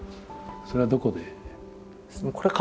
それはどこで？